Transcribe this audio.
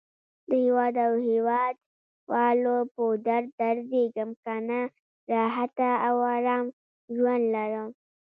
د هیواد او هیواد والو په درد دردېږم. کنه راحته او آرام ژوند لرم.